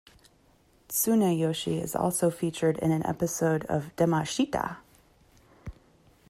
Tsunayoshi is also featured in an episode of "Demashita!